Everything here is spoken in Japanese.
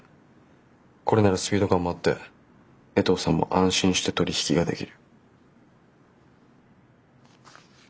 これならスピード感もあって衛藤さんも安心して取り引きができる。